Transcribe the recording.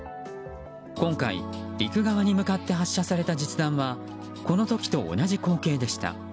今回、陸側に向かって発射された実弾はこの時と同じ口径でした。